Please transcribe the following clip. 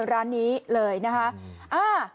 ร้านนี้เลยนะคะ